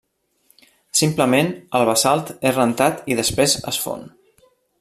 Simplement, el basalt és rentat i després es fon.